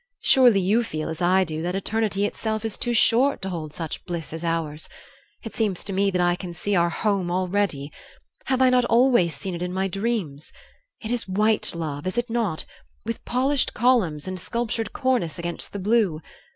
Surely you feel, as I do, that eternity itself is too short to hold such bliss as ours. It seems to me that I can see our home already. Have I not always seem it in my dreams? It is white, love, is it not, with polished columns, and a sculptured cornice against the blue?